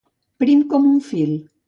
Prim com un fil.